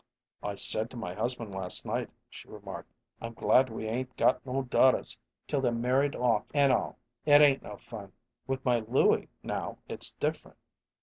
"I said to my husband last night," she remarked, 'I'm glad we 'ain't got no daughters'; till they're married off and all, it ain't no fun. With my Louie, now, it's different.